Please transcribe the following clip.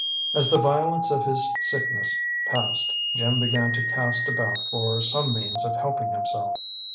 As the violence of his sickness passed, Jim began to cast about for some means of helping himself.